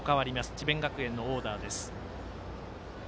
智弁学園のオーダーです。